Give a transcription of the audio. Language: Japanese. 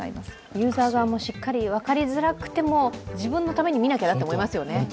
ユーザー側もしっかり分かりづらくても、自分のために見なきゃなと思いますよね。